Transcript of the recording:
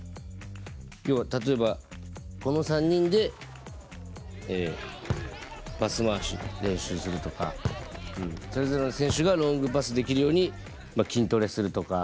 要は例えばこの３人でパス回しの練習するとかそれぞれの選手がロングパスできるように筋トレするとか。